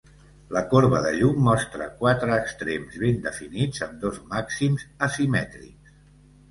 La corba de llum mostra "quatre extrems ben definits amb dos màxims asimètrics".